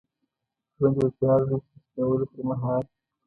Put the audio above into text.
ژوند یو پیاز دی چې د سپینولو پرمهال.